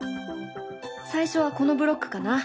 最初はこのブロックかな。